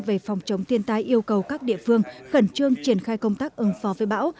về phòng chống thiên tai yêu cầu các địa phương khẩn trương triển khai công tác ứng phó với bão